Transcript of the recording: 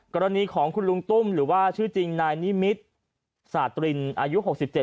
กรณีของคุณลุงตุ้มหรือว่าชื่อจริงนายนิมิตรสาตรินอายุ๖๗